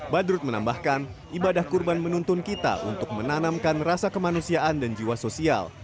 badrut menambahkan ibadah kurban menuntun kita untuk menanamkan rasa kemanusiaan dan jiwa sosial